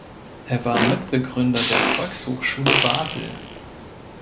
Er war Mitbegründer der Volkshochschule Basel.